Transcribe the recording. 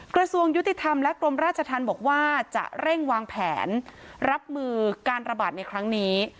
กระทรวงยุติธรรมและกรมราชธรรมบอกว่าจะเร่งวางแผนรับมือการระบาดในครั้งนี้